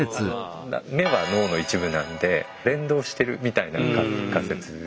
目は脳の一部なんで連動してるみたいな感じの仮説ですね。